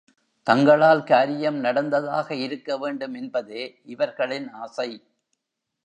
தங்களால் காரியம் நடந்ததாக இருக்கவேண்டும் என்பதே இவர்களின் ஆசை.